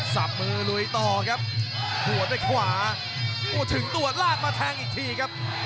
สับมือลุยต่อครับหัวด้วยขวาโอ้โหถึงตัวลากมาแทงอีกทีครับ